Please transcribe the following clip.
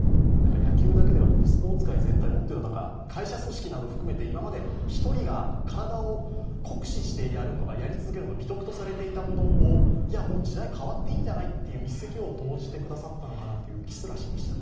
野球だけではなくてスポーツ界全体もというか会社組織なども含めて今まで１人が体を酷使してやり続けるのが美徳とされていたものをもう時代は変わっていいんじゃないという一石を投じてくださったのかという気すらしました。